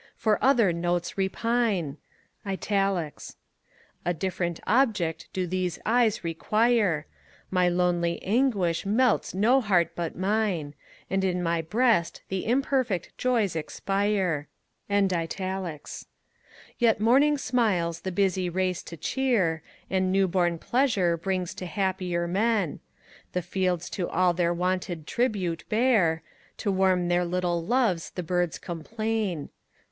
for other notes repine; _A different object do these eyes require; My lonely anguish melts no heart but mine; And in my breast the imperfect joys expire_; Yet morning smiles the busy race to cheer, And new born pleasure brings to happier men; The fields to all their wonted tribute bear; To warm their little loves the birds complain.